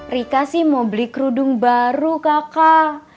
rika sih mau beli kerudung baru kakak